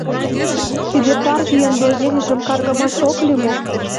Тиде партийын доверийжым каргымаш ок лий мо?